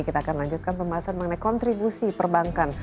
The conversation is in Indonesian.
kita akan lanjutkan pembahasan mengenai kontribusi perbankan